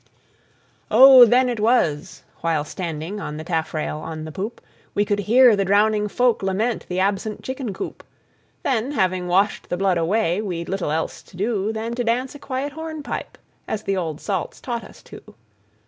O! then it was (while standing by the taffrail on the poop) We could hear the drowning folk lament the absent chicken coop; Then, having washed the blood away, we'd little else to do Than to dance a quiet hornpipe as the old salts taught us to.